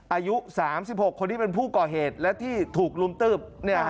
อายุ๓๖คนที่เป็นผู้ก่อเหตุและที่ถูกลุมตืบ